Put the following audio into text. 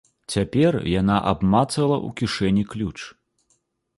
Цяпер яна абмацала ў кішэні ключ.